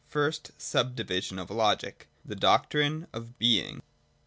FIRST SUB DIVISION OF LOGIC. THE DOCTRINE OF BEING.